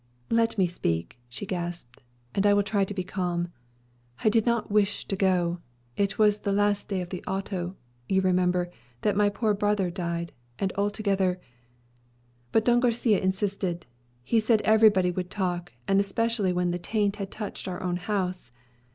"Let me speak," she gasped; "and I will try to be calm. I did not wish to go. It was the day of the last Auto, you remember, that my poor brother died, and altogether But Don Garçia insisted. He said everybody would talk, and especially when the taint had touched our own house.